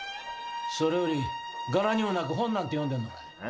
それより柄にもなく本なんて読んでんのかい？